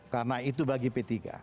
karena itu bagi p tiga